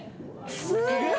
すげえ。